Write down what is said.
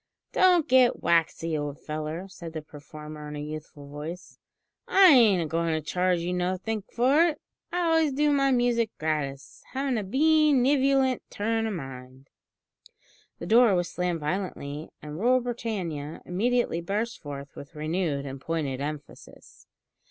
"Don't get waxy, old feller," said the performer in a youthful voice, "I ain't a goin' to charge you nothink for it. I always do my music gratis; havin' a bee nevolient turn o' mind." The door was slammed violently, and "Rule Britannia" immediately burst forth with renewed and pointed emphasis.